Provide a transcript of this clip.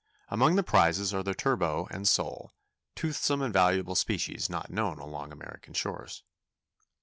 Among the prizes are the turbot and sole—toothsome and valuable species not known along American shores.